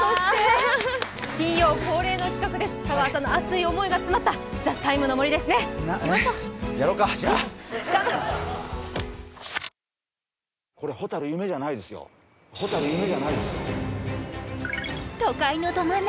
金曜恒例の企画です、香川さんの熱い思いのこもった「ＴＨＥＴＩＭＥ，」の森ですね。